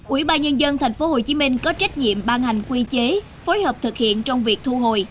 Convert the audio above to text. ubnd tp hcm có trách nhiệm ban hành quy chế phối hợp thực hiện trong việc thu hồi